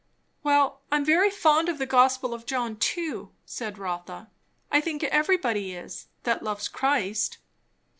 "Well, I am very fond of the gospel of John too," said Rotha. "I think everybody is, that loves Christ."